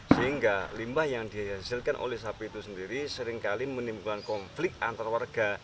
sehingga limbah yang dihasilkan oleh sapi itu sendiri seringkali menimbulkan konflik antar warga